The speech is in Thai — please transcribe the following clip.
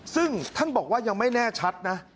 ซึ่งท่านบอกว่ายังไม่แน่ชัดนะ